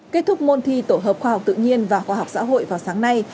kết thúc môn thi tổ hợp khoa học tự nhiên và khoa học xã hội vào sáng nay